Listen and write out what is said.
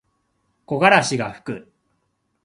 木枯らしがふく。